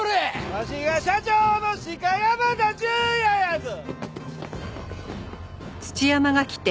わしが社長の鹿山田順彌やぞ！